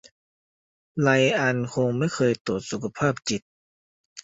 ไรอันคงไม่เคยตรวจสุจภาพจิต